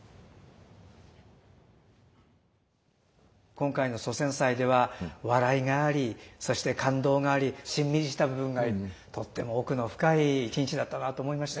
今回の祖先祭では笑いがありそして感動がありしんみりした部分がありとっても奥の深い一日だったなと思いました。